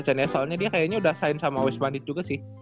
soalnya dia kayaknya udah sign sama wes bandit juga sih